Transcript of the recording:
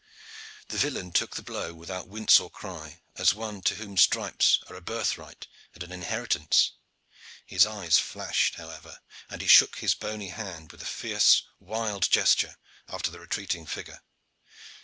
The villein took the cruel blow without wince or cry, as one to whom stripes are a birthright and an inheritance. His eyes flashed, however, and he shook his bony hand with a fierce wild gesture after the retreating figure.